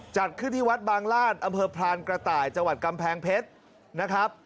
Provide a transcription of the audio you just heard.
จัดขึ้นที่วัดบางราชอำเภอพรานกระต่ายจังหวัดกำแพงเพชรนะครับ